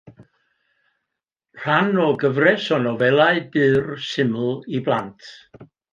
Rhan o gyfres o nofelau byr, syml i blant.